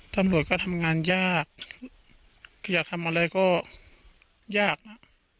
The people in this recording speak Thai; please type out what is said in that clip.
ตำรวจก็ทำงานยากคืออยากทำอะไรก็ยากนะ